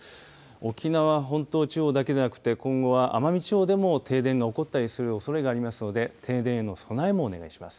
沖縄本島地方だけではなくて今後は奄美地方でも停電が起こったりするおそれがありますので停電への備えもお願いします。